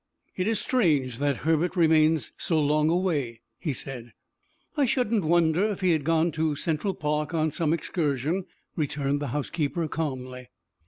"It is strange that Herbert remains so long away," he said. "I shouldn't wonder if he had gone to Central Park on some excursion," returned the housekeeper calmly.